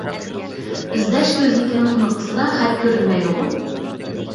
ئىزدەش كۆزنىكىنىڭ كۇنۇپكىسىدا خەت كۆرۈنمەيدىغۇ؟